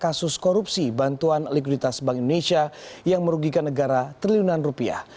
kasus korupsi bantuan likuiditas bank indonesia yang merugikan negara triliunan rupiah